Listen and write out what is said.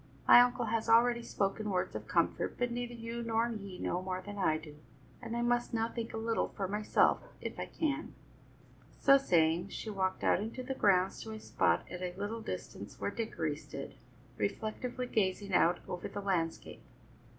My uncle has already spoken words of comfort, but neither you nor he know more than I do, and I must now think a little for myself, if I can." So saying, she walked out into the grounds to a spot at a little distance where Dickory stood, reflectively gazing out over the landscape.